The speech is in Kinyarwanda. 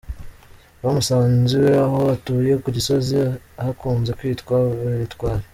Bamusanze iwe aho atuye ku Gisozi ahakunze kwitwa Beretwari.